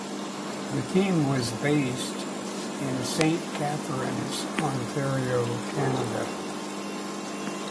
The team was based in Saint Catharines, Ontario, Canada.